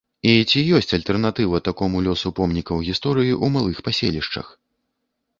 І ці ёсць альтэрнатыва такому лёсу помнікаў гісторыі ў малых паселішчах?